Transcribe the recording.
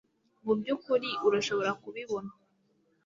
mubyukuri urashobora kubibona